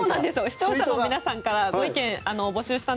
視聴者の皆さんからご意見を募集しました。